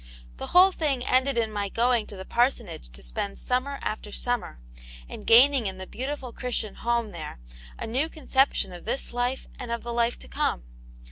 The whole thing ended in my going, to the parsonage to spend summer after summer, and gaining in the beautiful Christian home there a new conception of this life ajid of the life* to come.